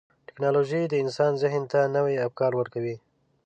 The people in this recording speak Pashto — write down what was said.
ټکنالوجي د انسان ذهن ته نوي افکار ورکوي.